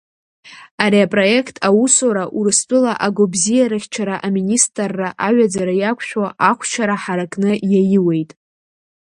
Ари апроект аусура Урыстәыла агәабзиарахьчара аминистрра аҩаӡара иақәшәо ахәшьара ҳаракны иаиуеит.